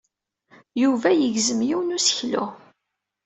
Yuba yegzem yiwen n useklu.